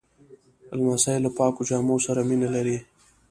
لمسی له پاکو جامو سره مینه لري.